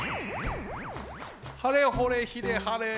はれほれひれはれ。